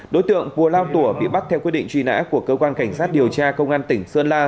đối tượng bùa lao tủa bị bắt theo quy định truy nã của cơ quan cảnh sát điều tra công an tỉnh sơn la